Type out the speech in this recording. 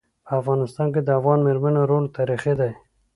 په افغانستان کي د افغان میرمنو رول تاریخي دی.